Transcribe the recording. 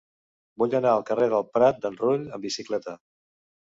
Vull anar al carrer del Prat d'en Rull amb bicicleta.